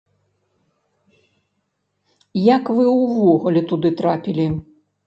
Як вы ўвогуле туды трапілі?